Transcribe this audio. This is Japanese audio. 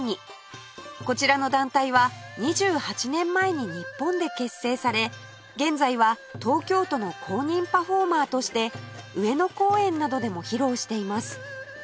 こちらの団体は２８年前に日本で結成され現在は東京都の公認パフォーマーとして上野公園などでも披露しています